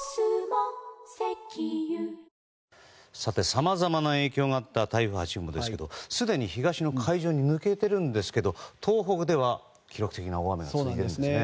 さまざまな影響があった台風８号ですがすでに東の海上に抜けているんですけど東北では記録的な大雨が続いているんですね。